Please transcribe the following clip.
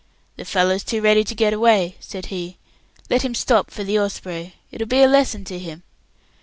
"The fellow's too ready to get away," said he. "Let him stop for the Osprey, it will be a lesson to him."